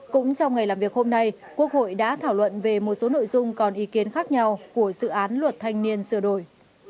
cũng trong ngày làm việc hôm nay quốc hội đã thảo luận về một số nội dung còn ý kiến khác nhau của dự án luật thanh niên sửa đổi